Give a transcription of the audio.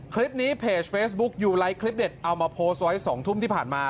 คลิปนี้เพจเฟซบุ๊คยูไลท์คลิปเด็ดเอามาโพสต์ไว้๒ทุ่มที่ผ่านมา